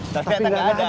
tapi nggak ada katanya kan